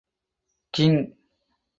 King!